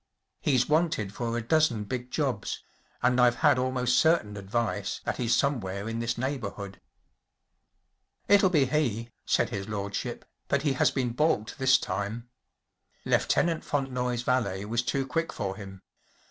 He’s wanted for a dozen big jobs, and I’ve had almost certain advice that he’s some¬ where in this neighbourhood.‚ÄĚ “ It’ll be he,‚ÄĚ said his lordship, “ but he has been baulked this time. Lieutenant Fontenoy’s valet was too quick for him.